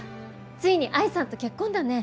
ついに愛さんと結婚だね。